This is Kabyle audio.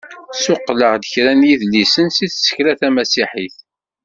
Suqleɣ-d kra n yidlisen si tsekla tamasiḥit.